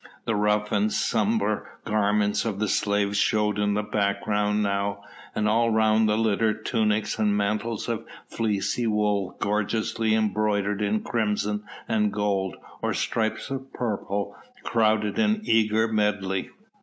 The rough and sombre garments of the slaves showed in the background now, and all round the litter tunics and mantles of fleecy wool gorgeously embroidered in crimson and gold, or stripes of purple, crowded in eager medley.